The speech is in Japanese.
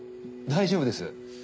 大丈夫です。